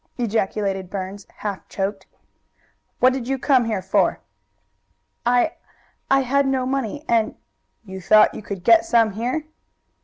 ejaculated Burns, half choked. "What did you come here for?" "I I had no money, and " "You thought you could get some here?"